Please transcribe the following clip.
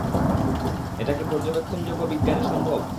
এটা কি পর্যবেক্ষণযোগ্য বিজ্ঞানে সম্ভব?